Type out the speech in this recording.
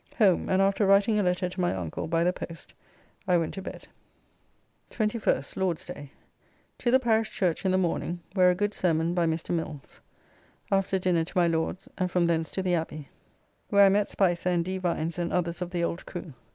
Home, and after writing a letter to my uncle by the post, I went to bed. 21st (Lord's day). To the Parish church in the morning, where a good sermon by Mr. Mills. After dinner to my Lord's, and from thence to the Abbey, where I met Spicer and D. Vines and others of the old crew.